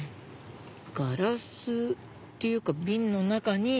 ガラスっていうか瓶の中に。